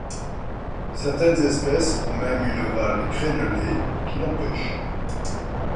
Certaines espèces ont même une valve crénelée qui l'empêche.